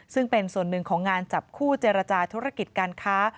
ซึ่งเป็นส่วนหนึ่งของงานจับคู่เจรจาธุรกิจการค้า